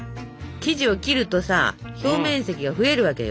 生地を切るとさ表面積が増えるわけよ。